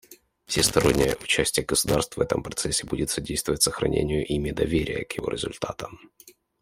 Всестороннее участие государств в этом процессе будет содействовать сохранению ими доверия к его результатам.